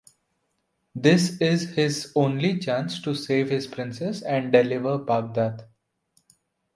This is his only chance to save his princess and deliver Baghdad.